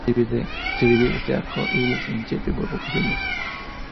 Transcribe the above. Se divide este arco iris en siete burbujas de luz.